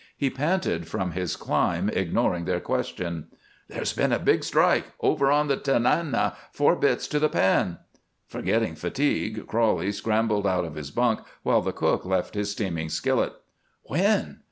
He panted from his climb, ignoring their questions. "There's been a big strike over on the Tanana four bits to the pan." Forgetting fatigue, Crowley scrambled out of his bunk while the cook left his steaming skillet. "When?"